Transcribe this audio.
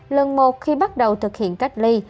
lần một khi bắt đầu thực hiện cách ly